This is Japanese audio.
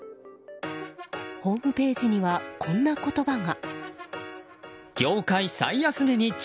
ホームページにはこんな言葉が。